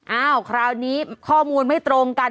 คราวนี้ข้อมูลไม่ตรงกัน